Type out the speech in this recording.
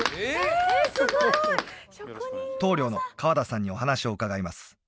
棟梁の川田さんにお話を伺います